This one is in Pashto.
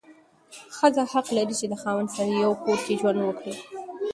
ښځه حق لري چې د خاوند سره یو کور کې ژوند وکړي.